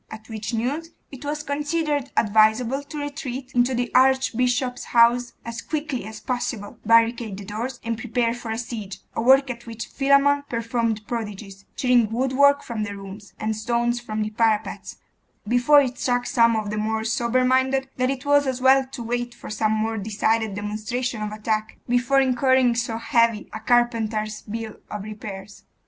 At which news it was considered advisable to retreat into the archbishop's house as quickly as possible, barricade the doors, and prepare for a siege a work at which Philammon performed prodigies, tearing woodwork from the rooms, and stones from the parapets, before it struck some of the more sober minded that it was as well to wait for some more decided demonstration of attack, before incurring so heavy a carpenter's bill of repairs.